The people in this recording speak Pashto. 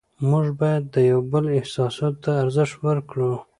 موږ باید د یو بل احساساتو ته ارزښت ورکړو